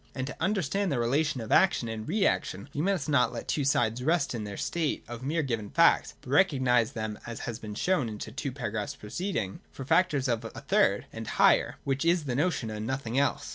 And to understand the rela tion of action and reaction we must not let the two sides rest in their state of mere given facts, but recognise them, as has been shown in the two paragraphs preceding, for factors of a third and higher, which is the notion and nothing else.